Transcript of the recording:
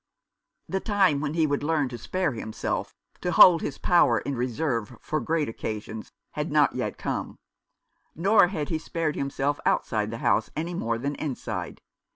The time when he would learn to spare himself, to hold his power in reserve for great occasions, had not yet come ; nor had he spared himself outside the House any more than inside.